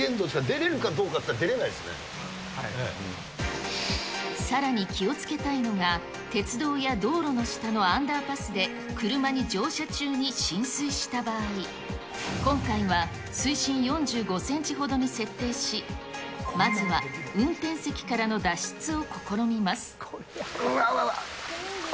出れるかどうかさらに気をつけたいのが、鉄道や道路の下のアンダーパスで車に乗車中に浸水した場合、今回は水深４５センチほどに設定し、まずは運転席からの脱出を試うわうわうわ。